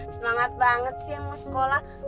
semangat banget sih mau sekolah